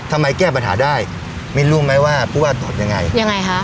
แก้ปัญหาได้ไม่รู้ไหมว่าผู้ว่าตอบยังไงยังไงคะ